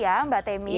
iya mbak temi